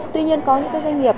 tuy nhiên có những doanh nghiệp